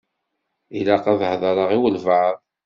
Ilaq ad heḍṛeɣ i walebɛaḍ.